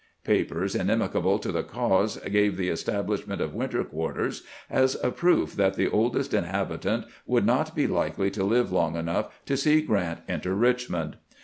Papers inimical to the cause gave the establishment of winter quarters as a proof that the oldest inhabitant would not be likely to live long enough to see G rant enter Richmond.